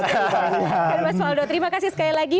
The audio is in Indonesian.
oke mas waldo terima kasih sekali lagi